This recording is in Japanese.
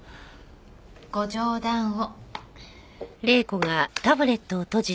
ご冗談を。